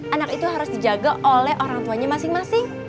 anak itu harus dijaga oleh orang tuanya masing masing